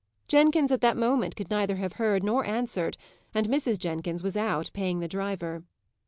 Jenkins at that moment could neither have heard nor answered, and Mrs. Jenkins was out, paying the driver.